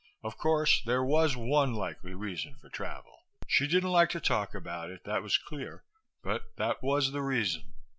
Of course, there was one likely reason for travel. She didn't like to talk about it, that was clear, but that was the reason.